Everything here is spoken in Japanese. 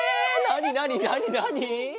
なになになになに！？